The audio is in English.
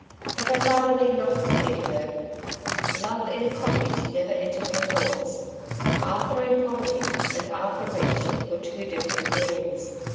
But her father need not have feared her. ^' Love in a cottage '' never entered her thoughts. Arthur in poverty, and Arthur rich, were two different beings.